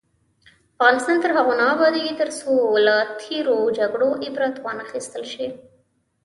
افغانستان تر هغو نه ابادیږي، ترڅو له تیرو جګړو عبرت وانخیستل شي.